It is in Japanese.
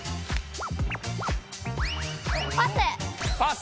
パス。